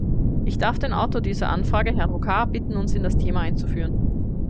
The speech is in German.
Ich darf den Autor dieser Anfrage, Herrn Rocard, bitten, uns in das Thema einzuführen.